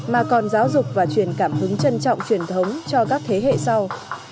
mà còn giáo dục và truyền cảm hứng trân trọng truyền thống cho các thế hệ sau